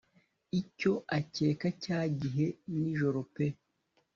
icyo acyeka cyagihe nijoro pe